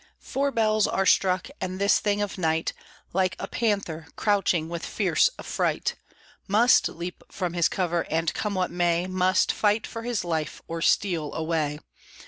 Four bells are struck, and this thing of night, Like a panther, crouching with fierce affright, Must leap from his cover, and, come what may, Must fight for his life, or steal away!